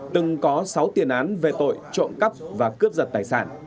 từng có sáu tiền án về tội trộm cắp và cướp giật tài sản